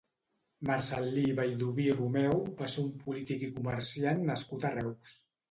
Marcel·lí Vallduví Romeu va ser un polític i comerciant nascut a Reus.